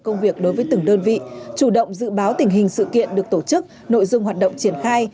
công việc đối với từng đơn vị chủ động dự báo tình hình sự kiện được tổ chức nội dung hoạt động triển khai